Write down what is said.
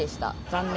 残念。